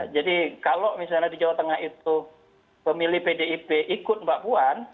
jadi kalau misalnya di jawa tengah itu pemilih pdip ikut mbak puan